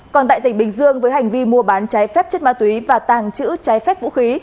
còn tại tỉnh bình dương với hành vi mua bán trái phép chất ma túy và tàng trữ trái phép vũ khí